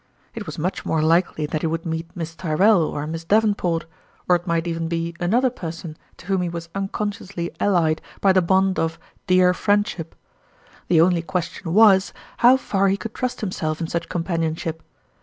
It was much more likely that he would meet Miss Tyrrell or Miss Davenport, or it might even be another person to whom he was unconsciously allied by the bond of dear friend ship. The only question was, how far he could trust himself in such companionship.